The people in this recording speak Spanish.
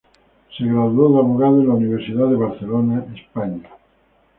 Se graduó de abogado en la Universidad de Barcelona, España.